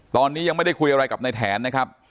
ตอนนี้ยังไม่ได้คุยอะไรกับในแถนนะครับ